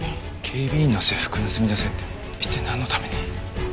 警備員の制服盗み出せって一体なんのために。